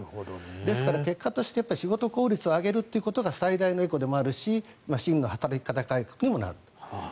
ですから、結果として仕事効率を上げるということが最大のエコでもあるし真の働き方改革にもなると。